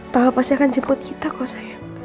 papa pasti akan jemput kita kok sayang